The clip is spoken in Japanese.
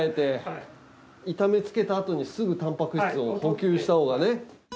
いためつけたあとにすぐタンパク質を補給したほうがね。